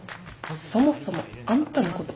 そもそもあんたのこと